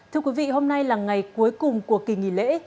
thưa quý vị hôm nay là ngày cuối cùng của kỳ nghỉ lễ